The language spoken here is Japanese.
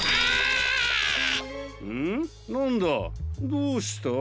どうした？